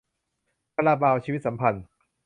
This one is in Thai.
คาราบาว 'ชีวิตสัมพันธ์'